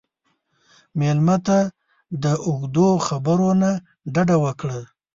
مېلمه ته د اوږدو خبرو نه ډډه وکړه.